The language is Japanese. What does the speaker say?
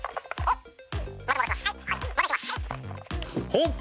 ほっ。